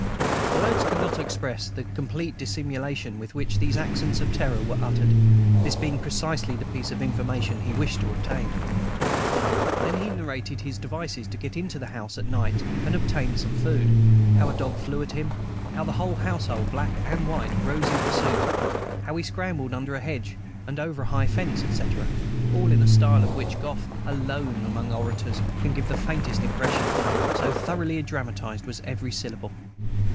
'" Words cannot express the complete dissimulation with which these accents of terror were uttered, this being precisely the piece of information he wished to obtain. Then he narrated his devices to get into the house at night and obtain some food, how a dog flew at him, how the whole household, black and white, rose in pursuit, how he scrambled under a hedge and over a high fence, etc., all in a style of which Gough alone among orators can give the faintest impression, so thoroughly dramatized was every syllable.